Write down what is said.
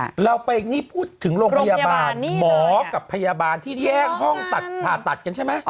เราไปนี่พูดถึงโรงพยาบาลหมอกับพยาบาลที่แย่งห้องตัดผ่าตัดกันใช่ไหม